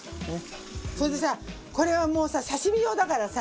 それでさこれはもうさ刺身用だからさ。